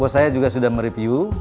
saya juga sudah mereview